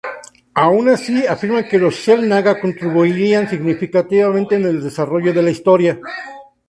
Aun así, afirman que los Xel'Naga contribuirán significativamente en el desarrollo de la historia.